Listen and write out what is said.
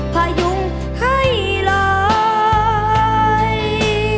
ผ่ายุ่งให้ลอย